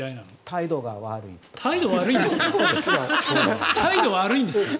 態度が悪いんですか？